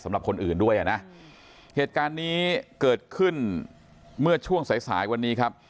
สำหรับคนอื่นด้วยอ่ะนะเหตุการณ์นี้เกิดขึ้นเมื่อช่วงสายสายวันนี้ครับ